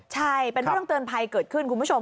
ใช่เป็นเรื่องเตือนภัยเกิดขึ้นคุณผู้ชม